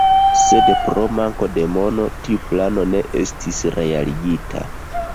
Sed pro manko de mono tiu plano ne estis realigita.